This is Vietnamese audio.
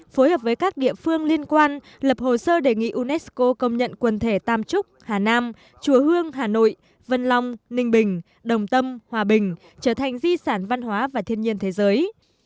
phối hợp với các địa phương liên quan lập hồ sơ đề nghị unesco công nhận quần thể tam trúc hà nam chùa hương hà nội vân long ninh bình đồng tâm hòa bình trở thành di sản văn hóa và thiên nhiên thế giới